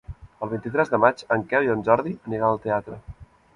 El vint-i-tres de maig en Quel i en Jordi aniran al teatre.